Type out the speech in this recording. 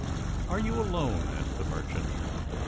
"Are you alone?" asked the merchant.